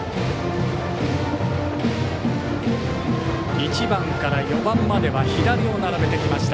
１番から４番までは左を並べてきました